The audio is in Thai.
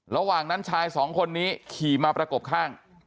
ระหว่างนั้นชายสองคนนี้ขี่มาประกบข้าง